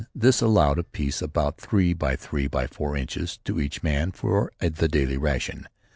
This allowed a piece about three by three by four inches to each man for the day's ration.